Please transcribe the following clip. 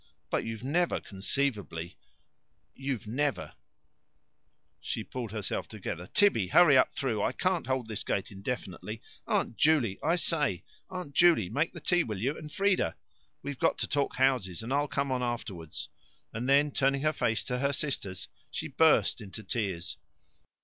"But you've never conceivably you've never " She pulled herself together. "Tibby, hurry up through; I can't hold this gate indefinitely. Aunt Juley! I say, Aunt Juley, make the tea, will you, and Frieda; we've got to talk houses, and I'll come on afterwards." And then, turning her face to her sister's, she burst into tears.